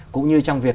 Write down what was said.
cũng như trong việc